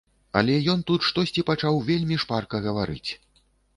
Але ён тут штосьці пачаў вельмі шпарка гаварыць.